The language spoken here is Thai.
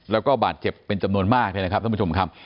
แล้วก็บาดเจ็บเป็นจำนวนมากเนี่ยนะครับท่านผู้ชมครับ